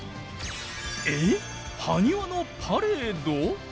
えっハニワのパレード！？